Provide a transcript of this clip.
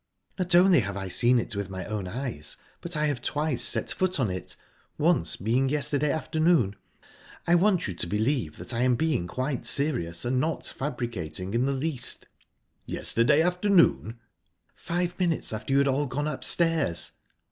"Not only have I seen it with my own eyes, but I have twice set foot on it once being yesterday afternoon. I want you to believe that I am being quite serious, and not fabricating in the least." "Yesterday afternoon?" "Five minutes after you had all gone upstairs."